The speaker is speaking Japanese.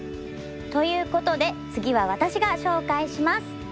ということで次は私が紹介します。